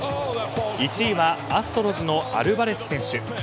１位はアストロズのアルバレス選手。